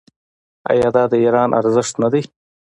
آیا دا د ایران ارزښت نه دی؟